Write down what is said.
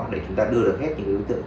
để chúng ta đưa được hết những cái ưu tượng